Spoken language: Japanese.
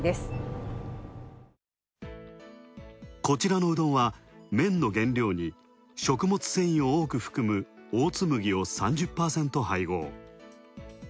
こちらのうどんは、麺の原料に食物繊維を多く含むオーツ麦を３０％配合。